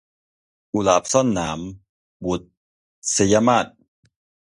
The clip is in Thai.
กุหลาบซ่อนหนาม - บุษยมาส